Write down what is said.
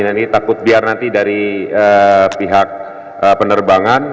nah ini takut biar nanti dari pihak penerbangan